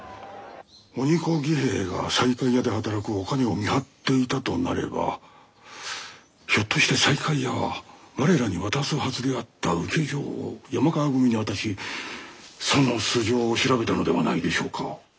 鬼子儀兵衛が西海屋で働くおかねを見張っていたとなればひょっとして西海屋は我らに渡すはずであった請状を山川組に渡しその素性を調べたのではないでしょうか？